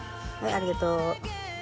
ありがとう。